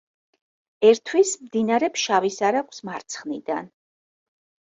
ერთვის მდინარე ფშავის არაგვს მარცხნიდან.